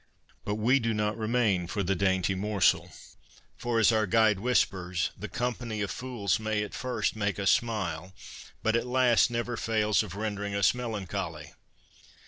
But we do not remain for the dainty morsel. For, as our guide whispers, ' the company of fools may at first make us smile, but at last never fails of rendering us melancholy.'